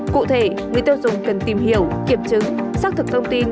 cụ thể người tiêu dùng cần tìm hiểu kiểm chứng xác thực thông tin